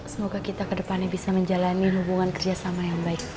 semoga kita kedepannya bisa menjalani hubungan kerjasama yang baik